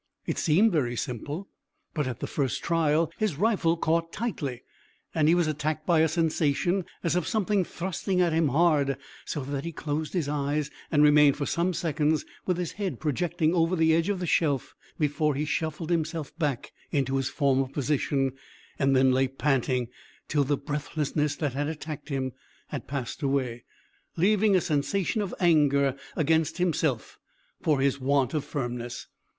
It seemed very simple, but at the first trial his rifle caught tightly, and he was attacked by a sensation as of something thrusting at him hard, so that he closed his eyes and remained for some seconds with his head projecting over the edge of the shelf before he shuffled himself back into his former position, and then lay panting till the breathlessness that had attacked him passed away, leaving a sensation of anger against himself for his want of firmness.